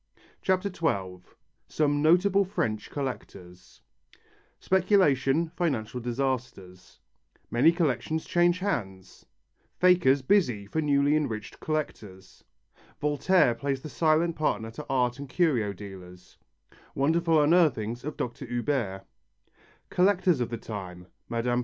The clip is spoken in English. CHAPTER XII SOME NOTABLE FRENCH COLLECTORS Speculation, financial disasters Many collections change hands Fakers busy for newly enriched collectors Voltaire plays the silent partner to art and curio dealers Wonderful unearthings of Dr. Huber Collectors of the time: Mme.